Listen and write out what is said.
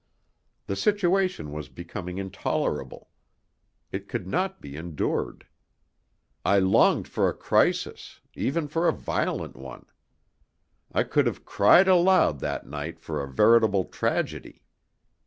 The situation was becoming intolerable. It could not be en dured. I longed for a crisis, even for a violent one. I could have cried aloud that night for a veritable tragedy.